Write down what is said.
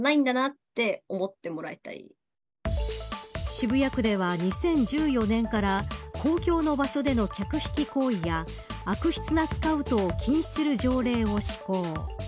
渋谷区では２０１４年から公共の場所での客引き行為や悪質なスカウトを禁止する条例を施行。